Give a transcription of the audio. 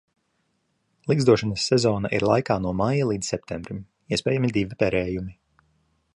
Ligzdošanas sezona ir laikā no maija līdz septembrim, iespējami divi perējumi.